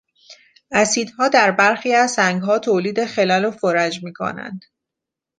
اسیدها در برخی از سنگها تولید خلل و فرج میکنند.